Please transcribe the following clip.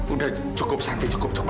udah cukup santi cukup cukup